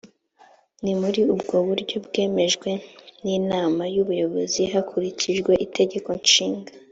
ni muri ubwo buryo bwemejwe ninama yubuyobozi hakurikijwe itegeko nshinga